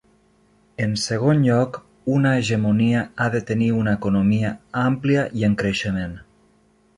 En segon lloc, una hegemonia ha de tenir una economia àmplia i en creixement.